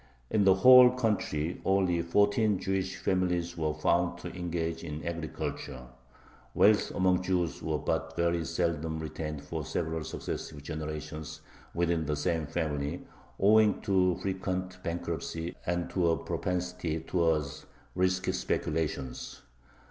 In the whole country only fourteen Jewish families were found to engage in agriculture. Wealth among Jews was but very seldom retained for several successive generations within the same family, owing to frequent bankruptcy and to a propensity towards risky speculations.